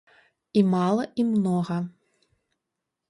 І мала, і многа.